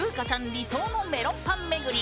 理想のメロンパン巡り！